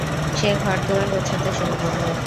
সে ঘর-দুয়ার গোছাতে শুরু করল।